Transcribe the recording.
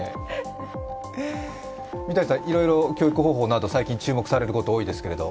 いろいろ教育方法など注目されることが多いですけど。